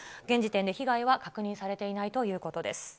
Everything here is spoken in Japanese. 現時点で被害は確認されていないということです。